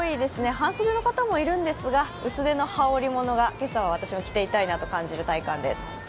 半袖の方もいるんですが薄手の羽織り物は今朝は私は着ていたいなと感じる体感です。